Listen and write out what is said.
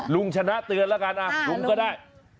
ลุงชนะเตือนแล้วกันลุงก็ได้